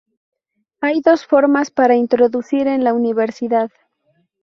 Hay dos formas para introducir en la universidad.